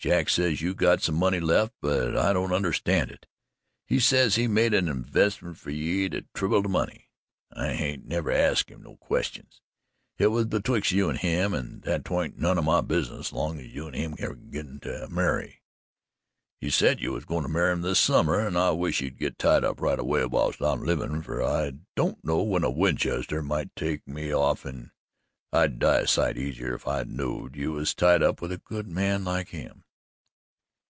Jack says you got some money left, but I don't understand it. He says he made a 'investment' fer ye and tribbled the money. I haint never axed him no questions. Hit was betwixt you an' him, an' 'twant none o' my business long as you an' him air goin' to marry. He said you was goin' to marry this summer an' I wish you'd git tied up right away whilst I'm livin', fer I don't know when a Winchester might take me off an' I'd die a sight easier if I knowed you was tied up with a good man like him."